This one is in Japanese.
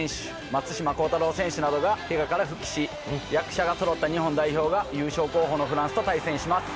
松島幸太朗選手などがケガから復帰し役者がそろった日本代表が優勝候補のフランスと対戦します。